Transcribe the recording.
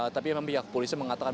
tapi memang pihak polisi mengatakan